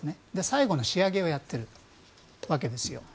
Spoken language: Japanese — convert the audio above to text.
最後の仕上げをやっているわけです。